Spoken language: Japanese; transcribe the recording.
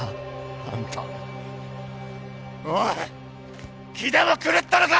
あんたおい気でも狂ったのか！？